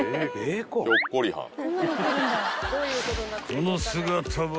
［この姿は］